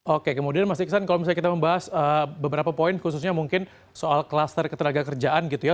oke kemudian mas iksan kalau misalnya kita membahas beberapa poin khususnya mungkin soal kluster ketenaga kerjaan gitu ya